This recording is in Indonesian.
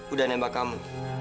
udah nembak kamu